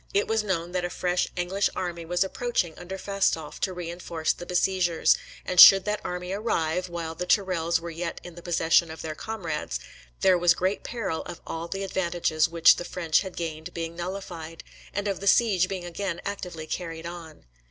It was known that a fresh English army was approaching under Falstolfe to reinforce the besiegers, and should that army arrive, while the Tourelles were yet in the possession of their comrades, there was great peril of all the advantages which the French had gained being nullified, and of the siege being again actively carried on.